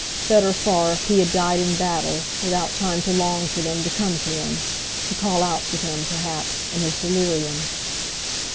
Better far if he had died in battle, without time to long for them to come to him, to call out for them, perhaps, in his delirium!